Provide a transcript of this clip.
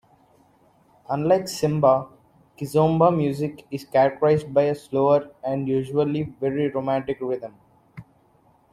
Unlike semba, kizomba music is characterized by a slower and usually very romantic rhythm.